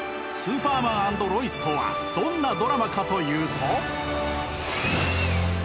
「スーパーマン＆ロイス」とはどんなドラマかというと。